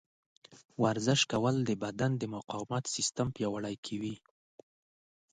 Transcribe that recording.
ورزش کول د بدن د مقاومت سیستم پیاوړی کوي.